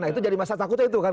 nah itu jadi masa takutnya itu kan